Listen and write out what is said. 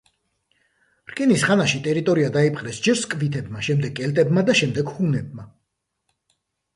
რკინის ხანაში, ტერიტორია დაიპყრეს ჯერ სკვითებმა, შემდეგ კელტებმა და შემდეგ ჰუნებმა.